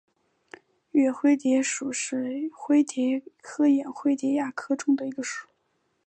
岳灰蝶属是灰蝶科眼灰蝶亚科中的一个属。